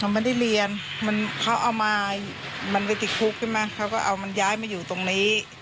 ไม่ได้เรียนเขาเอามามันไปติดคุกใช่ไหมเขาก็เอามันย้ายมาอยู่ตรงนี้